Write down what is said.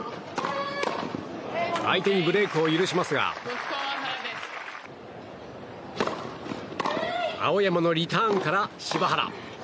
相手にブレークを許しますが青山のリターンから柴原！